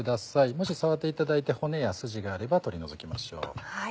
もし触っていただいて骨や筋があれば取り除きましょう。